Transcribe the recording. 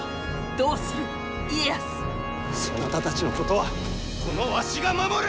どうする家康そなたたちのことはこのわしが守る！